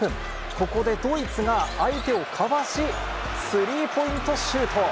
ここでドイツが相手をかわし、スリーポイントシュート。